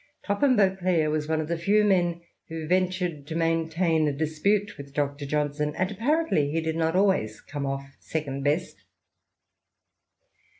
Topham Beauclerk was one of the few men who ventured to maintain a dispute with Dr. Johnson, and apparently he did not always come off second best.